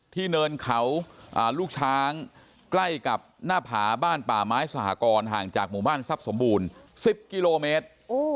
เนินเขาลูกช้างใกล้กับหน้าผาบ้านป่าไม้สหกรห่างจากหมู่บ้านทรัพย์สมบูรณ์๑๐กิโลเมตร